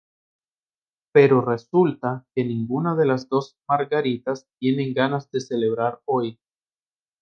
Pero resulta que ninguna de las dos Margaritas tiene ganas de celebrar hoy.